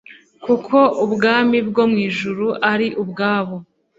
kuko ubwami bwo mu ijuru ari ubwabo